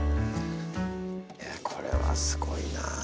いやこれはすごいな。